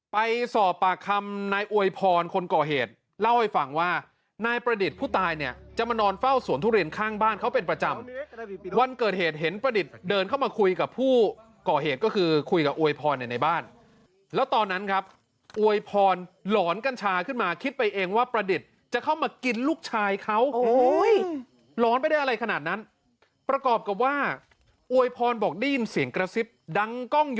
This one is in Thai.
ไปสอบปากคำนายอวยพรคนก่อเหตุเล่าให้ฟังว่านายประดิษฐ์ผู้ตายเนี่ยจะมานอนเฝ้าสวนทุเรียนข้างบ้านเขาเป็นประจำวันเกิดเหตุเห็นประดิษฐ์เดินเข้ามาคุยกับผู้ก่อเหตุก็คือคุยกับอวยพรในบ้านแล้วตอนนั้นครับอวยพรหลอนกันชาขึ้นมาคิดไปเองว่าประดิษฐ์จะเข้ามากินลูกชายเขาโอ้ยหลอนไปได้อะไรขนาดน